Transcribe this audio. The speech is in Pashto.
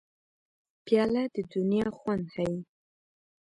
پیاله د دنیا خوند ښيي.